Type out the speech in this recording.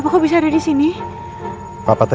pah apa gak apa apa kan